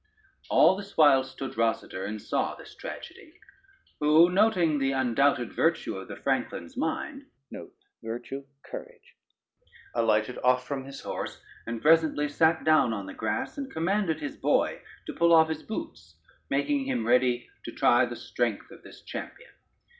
All this while stood Rosader and saw this tragedy; who, noting the undoubted virtue of the franklin's mind, alighted off from his horse, and presently sate down on the grass, and commanded his boy to pull off his boots, making him ready to try the strength of this champion.